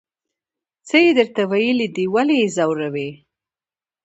څه یې درته ویلي دي ولې یې ځوروئ.